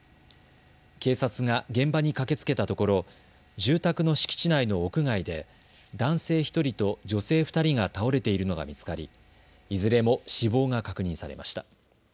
警察が現場に駆けつけたところ住宅の敷地内の屋外で男性１人と女性２人が倒れているのが見つかりいずれも死亡が確認されました。